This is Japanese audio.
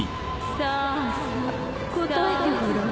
さあさ答えてごらん。